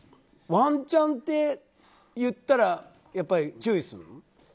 ワンチャンって言ったらやっぱり注意する？